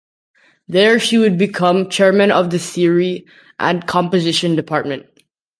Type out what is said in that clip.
There she would become chairman of the Theory and Composition Department.